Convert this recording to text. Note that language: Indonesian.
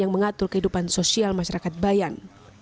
yang mengatur kehidupan sosial masyarakat bayan